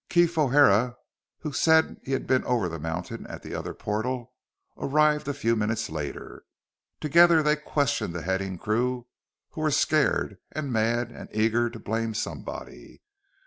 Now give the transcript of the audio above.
Keef O'Hara, who said he had been over the mountain at the other portal, arrived a few minutes later. Together, they questioned the heading crew, who were scared and mad and eager to blame somebody.